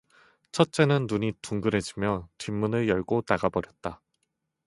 첫째는 눈이 둥 그 래지며 뒷문을 열고 나가 버렸다.